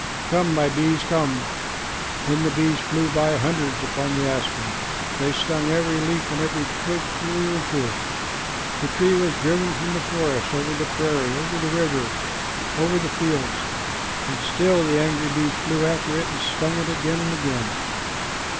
Come, my bees, come." Then the bees flew by hundreds upon the aspen. They stung every leaf and every twig through and through. The tree was driven from the forest, over the prairie, over the river, over the fields; and still the angry bees flew after it and stung it again and again.